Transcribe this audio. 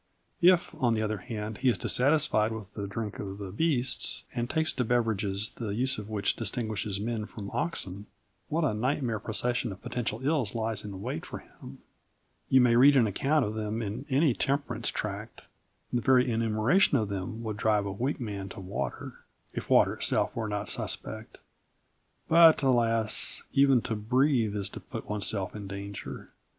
If, on the other hand, he is dissatisfied with the drink of the beasts and takes to beverages the use of which distinguishes men from oxen, what a nightmare procession of potential ills lies in wait for him! You may read an account of them in any temperance tract. The very enumeration of them would drive a weak man to water, if water itself were not suspect. But, alas, even to breathe is to put oneself in danger.